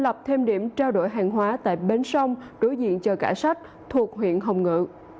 lập thêm điểm trao đổi hàng hóa tại bến sông đối diện chờ cả sách thuộc huyện hồng ngự